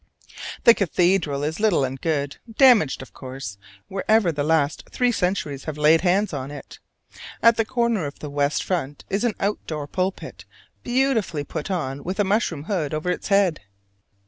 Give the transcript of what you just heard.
The cathedral is little and good: damaged, of course, wherever the last three centuries have laid hands on it. At the corner of the west front is an out door pulpit beautifully put on with a mushroom hood over its head.